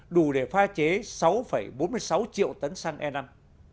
đủ để pha chế sáu bốn mươi sáu triệu tấn một năm